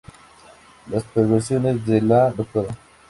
Las perversiones de la Dra.